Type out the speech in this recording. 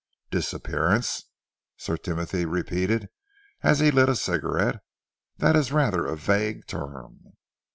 "Disappearance?" Sir Timothy repeated, as he lit a cigarette. "That is rather a vague term."